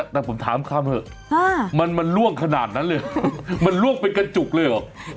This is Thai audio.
แต่ผมถามคำเถอะมันล่วงขนาดนั้นเลยมันล่วงเป็นกระจุกเลยเหรอ